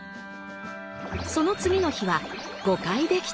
その次の日は５回できた。